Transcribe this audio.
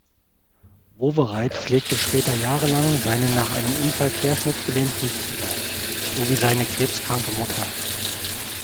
Wowereit pflegte später jahrelang seinen nach einem Unfall querschnittgelähmten Bruder sowie seine krebskranke Mutter.